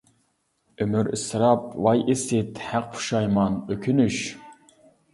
ئۆمۈر ئىسراپ ۋاي ئىسىت، ھەق پۇشايمان ئۆكۈنۈش.